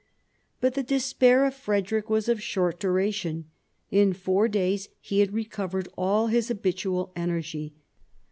But the despair of Frederick was of short duration. In four days he had recovered all his habitual energy.